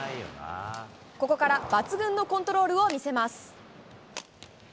ここから抜群のコントロールを見せます。